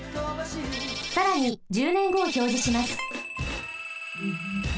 さらに１０ねんごをひょうじします。